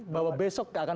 bahwa besok akan